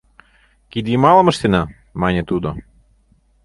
— Кидйымалым ыштена, — мане тудо.